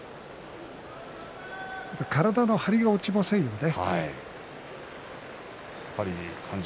体の張りが落ちませんよね